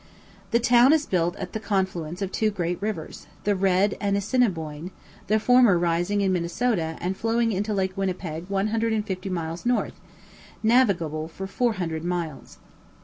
The town is built at the confluence of two great rivers, the Red and Assiniboine, the former rising in Minnesota, and flowing into lake Winnipeg 150 miles north, navigable for 400 miles.